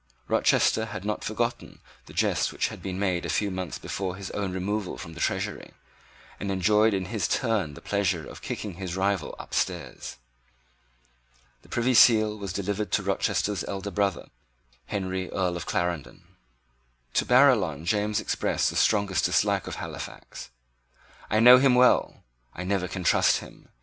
Rochester had not forgotten the jest which had been made a few months before on his own removal from the Treasury, and enjoyed in his turn the pleasure of kicking his rival up stairs. The Privy Seal was delivered to Rochester's elder brother, Henry Earl of Clarendon. To Barillon James expressed the strongest dislike of Halifax. "I know him well, I never can trust him.